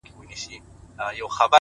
هیله د سختو ورځو ملګرې ده’